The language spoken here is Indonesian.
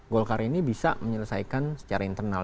golkar ini bisa menyelesaikan secara internal